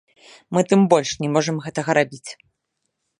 Мы тым больш не можам гэтага рабіць.